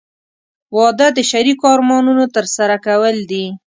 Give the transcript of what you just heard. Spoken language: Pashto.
• واده د شریکو ارمانونو ترسره کول دي.